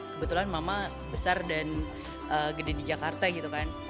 kebetulan mama besar dan gede di jakarta gitu kan